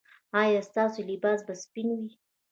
ایا ستاسو لباس به سپین وي؟